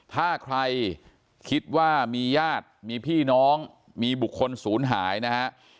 ถ้าใครคิดว่ามีญาติมีพี่น้องมีบุคคลศูนย์หายนะฮะ